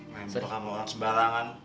main pake kamu orang sebarangan